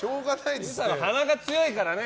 昼太郎、鼻が強いからね。